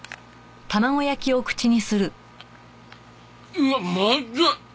うわっまっずい！